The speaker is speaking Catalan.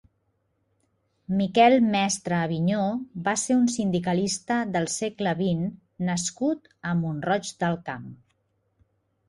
Miquel Mestre Avinyó va ser un sindicalista del segle vint nascut a Mont-roig del Camp.